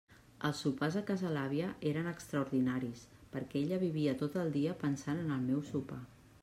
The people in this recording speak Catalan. Els sopars a casa l'àvia eren extraordinaris perquè ella vivia tot el dia pensant en el meu sopar.